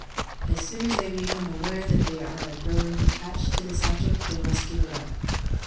As soon as they become aware that they are growing attached to this object, they must give it up.